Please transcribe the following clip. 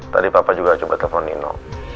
tadi papa juga coba telepon nino